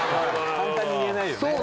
簡単に言えないです